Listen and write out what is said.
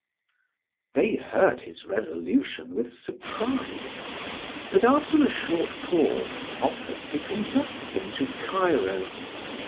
They heard his resolution with surprise, but after a short pause offered to conduct him to Cairo.